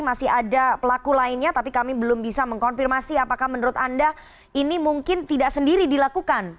masih ada pelaku lainnya tapi kami belum bisa mengkonfirmasi apakah menurut anda ini mungkin tidak sendiri dilakukan